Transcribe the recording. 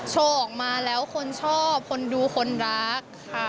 โชว์ออกมาแล้วคนชอบคนดูคนรักค่ะ